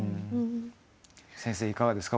先生いかがですか？